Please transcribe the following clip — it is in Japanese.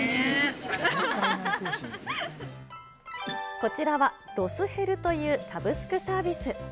こちらはロスヘルというサブスクサービス。